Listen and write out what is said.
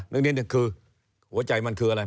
นิดนึงคือหัวใจมันคืออะไร